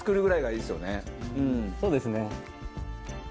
そうですね。